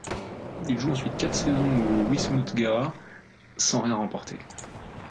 Il joue ensuite quatre saisons au Wismut Gera, sans rien remporter.